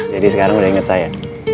jadi sekarang udah inget saya